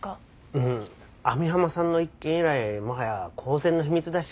うん網浜さんの一件以来もはや公然の秘密だし。